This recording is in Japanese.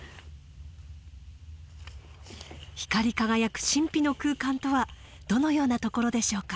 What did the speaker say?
光り輝く神秘の空間とはどのような所でしょうか。